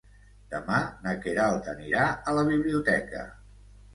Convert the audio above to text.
Demà na Queralt anirà a la biblioteca.